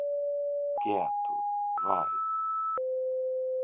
Quieto, vai?